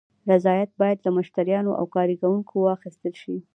رضایت باید له مشتریانو او کارکوونکو واخیستل شي.